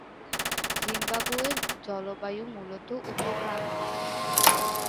জিম্বাবুয়ের জলবায়ু মূলত উপক্রান্তীয়।